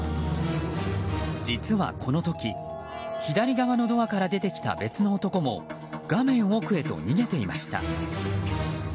実はこの時、左側のドアから出てきた別の男も画面奥へと逃げていました。